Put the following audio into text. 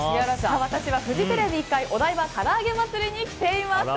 私はフジテレビ１階お台場からあげ祭に来ています。